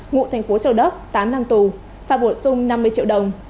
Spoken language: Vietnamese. ngụ thành phố châu đốc tám năm tù phạt bổ sung năm mươi triệu đồng